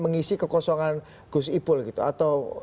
mengisi kekosongan gus ipul gitu atau